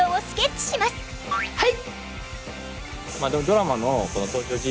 はい！